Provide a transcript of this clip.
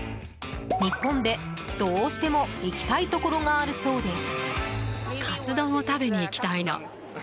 日本で、どうしても行きたいところがあるそうです。